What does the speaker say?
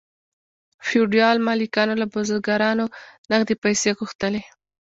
فیوډال مالکانو له بزګرانو نغدې پیسې غوښتلې.